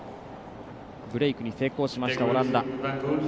ブレークに成功しましたオランダ。